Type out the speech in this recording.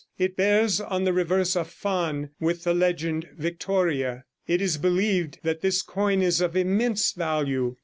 It bears on the reverse a faun with the legend VICTORIA. It is believed that this coin is of immense value.